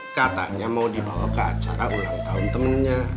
katanya mau dibawa ke acara ulang tahun temannya